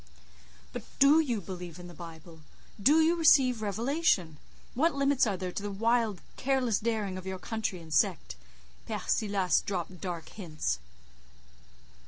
"But do you believe in the Bible? Do you receive Revelation? What limits are there to the wild, careless daring of your country and sect. Père Silas dropped dark hints."